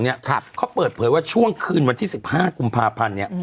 เขาเปิดเผยว่าช่วงคืนวันที่๑๕กุมภาพันธ์เนี่ย